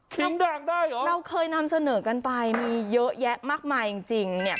ถึงด่างได้เหรอเราเคยนำเสนอกันไปมีเยอะแยะมากมายจริงจริงเนี่ย